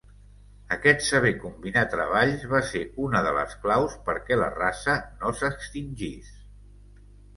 Aquest saber combinar treballs va ser una de les claus perquè la raça no s'extingís.